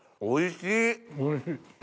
おいしい。